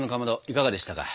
いかがでしたか？